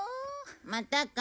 またか。